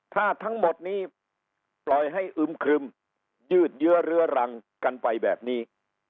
ถ้าทั้งหมดนี้ปล่อยให้อึมครึมยืดเยื้อเรื้อรังกันไปแบบนี้